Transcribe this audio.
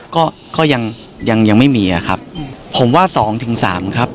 ก็ก็ยังยังไม่มีอ่ะครับผมว่าสองถึงสามครับ